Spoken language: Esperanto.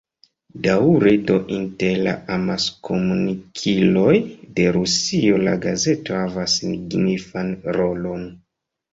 Daŭre do inter la amaskomunikiloj de Rusio la gazeto havas signifan rolon.